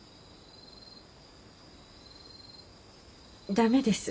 駄目です。